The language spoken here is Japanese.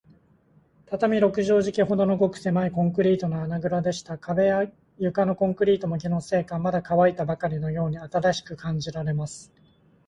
畳六畳敷きほどの、ごくせまいコンクリートの穴ぐらでした。壁や床のコンクリートも、気のせいか、まだかわいたばかりのように新しく感じられます。